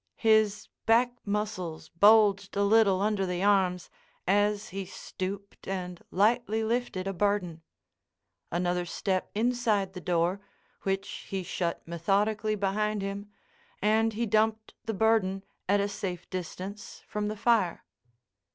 His back muscles bulged a little under the arms as he stooped and lightly lifted a burden. Another step inside the door, which he shut methodically behind him, and he dumped the burden at a safe distance from the fire.